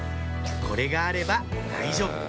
これがあれば大丈夫！